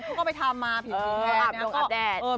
เขาก็ไปทำมาผิวสีแทนอับโดนอับแดด